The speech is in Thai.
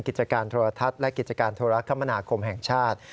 กิจการโทรทัศน์และกิจการโทรคมนาคมแห่งชาติ